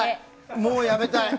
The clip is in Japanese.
もうやめたい！